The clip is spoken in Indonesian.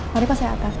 mari pak saya atas